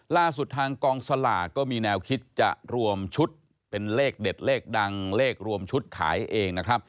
ล่าสุดทางกองสลากก็มีแนวคิดจะรวมชุดเป็นเลขเด็ดเลขดังเลขรวมชุดขายเองนะครับ